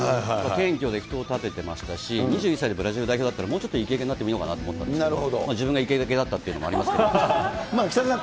謙虚で、人を立ててましたし、２１歳でブラジル代表だったら、もうちょっとイケイケになってもいいのかなと思いましたけど、自分がイケイケだったっていうのもありますけど。